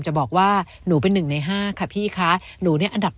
จะบอกว่าหนูเป็นหนึ่งในห้าค่ะพี่คะหนูเนี่ยอันดับ